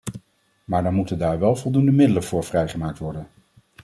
Maar dan moeten daar wel voldoende middelen voor vrijgemaakt worden.